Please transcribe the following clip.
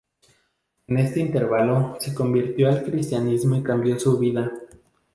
En este intervalo, se convirtió al cristianismo y cambió su vida.